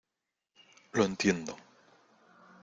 lo entiendo.